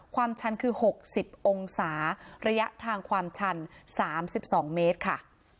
ชันคือ๖๐องศาระยะทางความชัน๓๒เมตรค่ะ